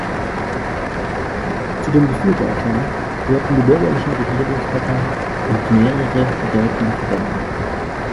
Zu den Befürwortern gehörten die bürgerlichen Regierungsparteien und mehrere bedeutende Verbände.